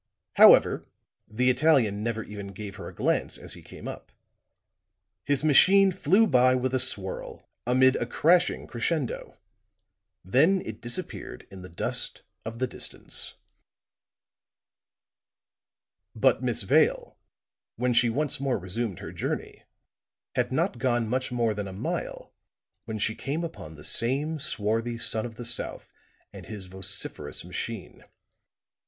However, the Italian never even gave her a glance as he came up; his machine flew by with a swirl, amid a crashing crescendo; then it disappeared in the dust of the distance. But Miss Vale, when she once more resumed her journey, had not gone much more than a mile when she came upon the same swarthy son of the south and his vociferous machine.